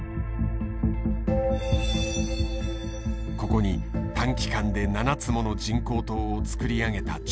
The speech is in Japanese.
ここに短期間で７つもの人工島を造り上げた中国。